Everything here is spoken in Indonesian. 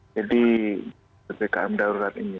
jadi bkm darurat ini